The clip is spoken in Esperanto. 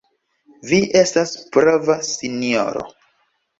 Vi estas prava, sinjoro.